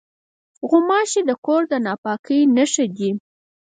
غوماشې د کور د ناپاکۍ نښه دي.